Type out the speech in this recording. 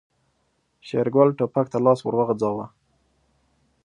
شېرګل ټوپک ته لاس ور وغځاوه.